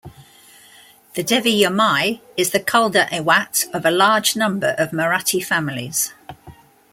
The Devi Yamai is the kuldaiwat of a large number of Marathi families.